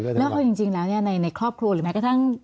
ตื่นเช้าก็ไม่รู้มาก